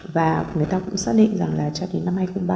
và người ta cũng xác định rằng là cho đến năm hai nghìn ba mươi